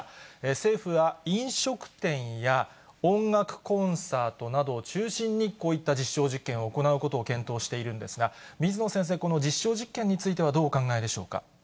政府は飲食店や音楽コンサートなどを中心に、こういった実証実験を行うことを検討しているんですが、水野先生、この実証実験についてはどうお考えでしょうか。